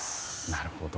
なるほど。